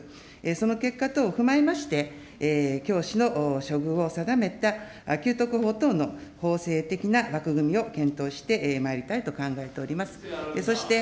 その結果等を踏まえまして、教師の処遇を定めた給特法等の法制的な枠組みを検討してまいりたいと考えております。